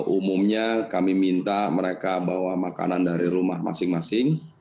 umumnya kami minta mereka bawa makanan dari rumah masing masing